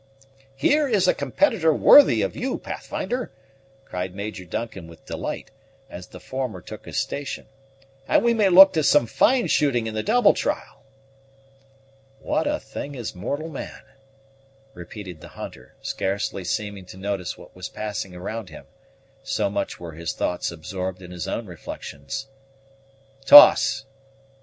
"Here is a competitor worthy of you, Pathfinder," cried Major Duncan with delight, as the former took his station; "and we may look to some fine shooting in the double trial." "What a thing is mortal man!" repeated the hunter, scarcely seeming to notice what was passing around him, so much were his thoughts absorbed in his own reflections. "Toss!"